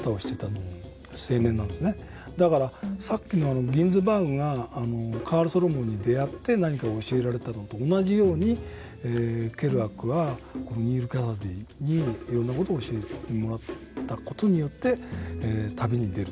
だからさっきのギンズバーグがカール・ソロモンに出会って何かを教えられたのと同じようにケルアックはニール・キャサディにいろんな事を教えてもらった事によって旅に出る。